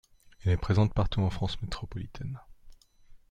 Elle est présente partout en France métropolitaine.